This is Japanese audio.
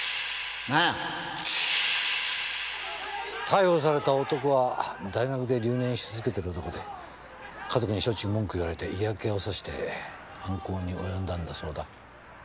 逮捕された男は大学で留年し続けてる男で家族にしょっちゅう文句言われて嫌気をさして犯行に及んだんだそうだ。